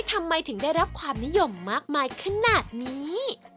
ทำไมถึงได้รับความนิยมมากมายขนาดนี้